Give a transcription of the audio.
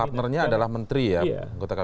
partnernya adalah menteri ya